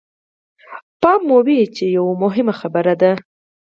پام مو وي چې يوه مهمه خبره ده.